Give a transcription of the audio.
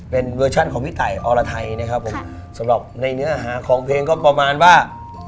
เป็นเวอร์ชันของพี่ตายอรไทยนะครับผมสำหรับในเนื้อหาของเพลงก็ประมาณว่า